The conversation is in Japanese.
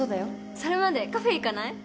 それまでカフェ行かない？